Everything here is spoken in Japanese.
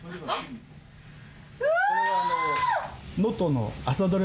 うわ！